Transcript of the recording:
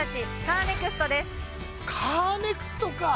カーネクストか！